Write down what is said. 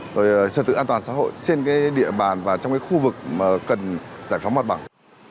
rồi trật tự an toàn xã hội trên cái địa bàn và trong cái khu vực mà cần giải phóng mặt bằng